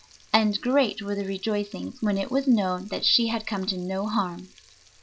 And great were the rejoicings when it was known that she had come to no harm.